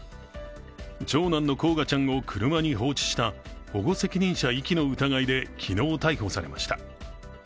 長男の煌翔ちゃんを車に放置した保護責任者遺棄の疑いで昨日逮捕されました。